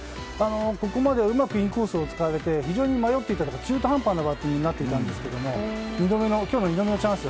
ここまでうまくインコースをつかれて非常に迷っていて中途半端なバッティングになっていたんですけど今日の２度目のチャンス